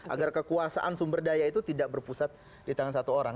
agar kekuasaan sumber daya itu tidak berpusat di tangan satu orang